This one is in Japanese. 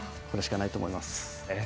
これしかないと思います。